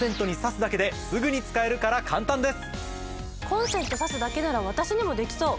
コンセント挿すだけなら私にもできそう。